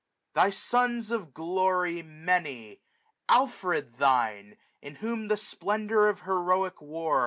. Thy Sons of Glory many ! Alfred thine ; In whom the splendor of heroic war.